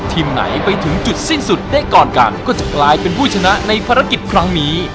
ทีมไหนไปถึงจุดสิ้นสุดได้ก่อนกันก็จะกลายเป็นผู้ชนะในภารกิจครั้งนี้